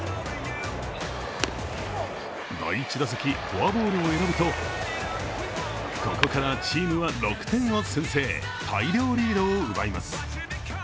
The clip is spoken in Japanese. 第１打席、フォアボールを選ぶとここからチームは６点を先制、大量リードを奪います。